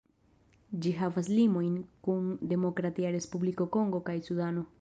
Ĝi havas limojn kun Demokratia Respubliko Kongo kaj Sudano.